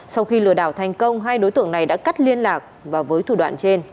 sau khi lừa đảo thành công hai đối tượng này đã cắt liên lạc và với thủ đoạn trên